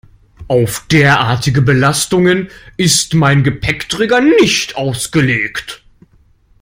Auf derartige Belastungen ist mein Gepäckträger nicht ausgelegt.